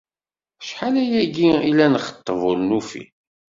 Acḥal ayagi i la nxeṭṭeb ur nufi.